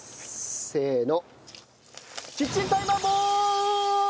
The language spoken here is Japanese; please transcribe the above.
せーの。